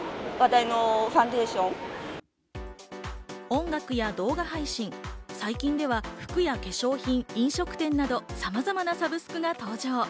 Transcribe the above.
音楽や動画配信、最近では服や化粧品、飲食店などさまざまなサブスクが登場。